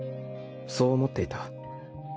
そう思っていた。